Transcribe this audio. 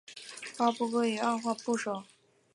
八部归于二划部首。